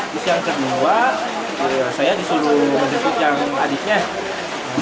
terus yang kedua saya disuruh menjemput yang adiknya